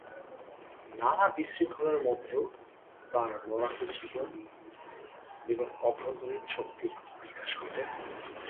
নানা বিশৃঙ্খলার মধ্যেও তাঁর লড়াকু জীবন এবং অভ্যন্তরীণ শক্তির বিকাশ ঘটে।